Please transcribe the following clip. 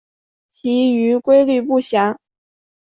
其余规则不详。